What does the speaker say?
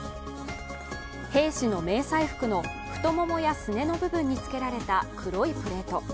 兵士の迷彩服の太ももやすねの部分につけられた黒いプレート。